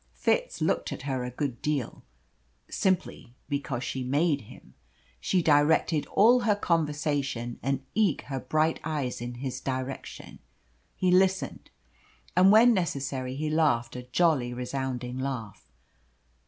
Fitz looked at her a good deal. Simply because she made him. She directed all her conversation and eke her bright eyes in his direction. He listened, and when necessary he laughed a jolly resounding laugh.